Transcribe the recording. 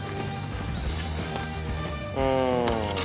うん。